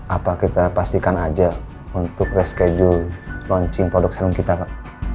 apa kita pastikan aja untuk reschedule launching produk serum kita pak